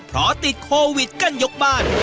เพราะติดโควิดกันยกบ้าน